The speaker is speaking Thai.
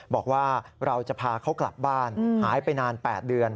บอกว่าเราจะพาเขากลับบ้านหายไปนาน๘เดือน